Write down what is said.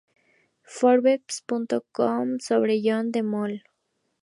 Forbes.com sobre John de Mol